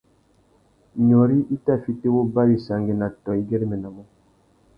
Nyôrï a tà fiti wuba wissangüena tô i güeréménamú.